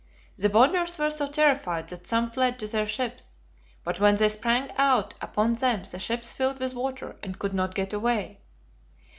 The Bonders were so terrified that some fled to their ships; but when they sprang out upon them the ships filled with water, and could not get away.